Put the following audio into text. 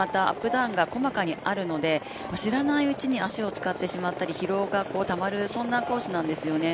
ダウンが細かにあるので知らないうちに足を使ってしまったり疲労がたまるそんなコースなんですよね。